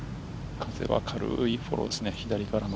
風は軽いフォローですね。